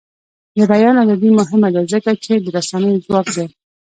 د بیان ازادي مهمه ده ځکه چې د رسنیو ځواک دی.